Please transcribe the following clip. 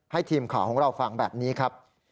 ทีมข่าวของเราฟังแบบนี้ครับ